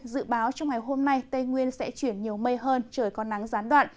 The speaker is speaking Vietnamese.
dự báo trong ngày hôm nay tây nguyên sẽ chuyển nhiều mây hơn trời có nắng gián đoạn